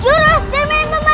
jurus cermin pembalik tenaga dalam